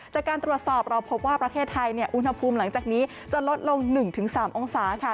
จากการตรวจสอบเราพบว่าประเทศไทยอุณหภูมิหลังจากนี้จะลดลง๑๓องศาค่ะ